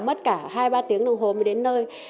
mất cả hai ba tiếng đồng hồ mới đến nơi